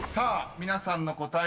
［皆さんの答え